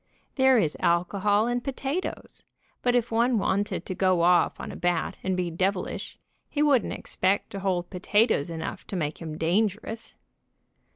There is alcohol in potatoes, but if one wanted to go off on a bat and be devilish, he wouldn't expect to hold potatoes enough to make him dangerous.